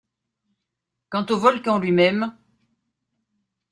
Quant au volcan lui-même